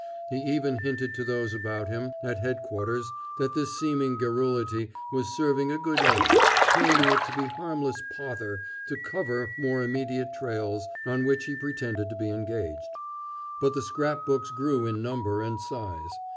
He even hinted to those about him at Headquarters that this seeming garrulity was serving a good end, claiming it to be harmless pother to "cover" more immediate trails on which he pretended to be engaged. But the scrap books grew in number and size.